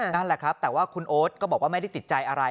นั่นแหละครับแต่ว่าคุณโอ๊ตก็บอกว่าไม่ได้ติดใจอะไร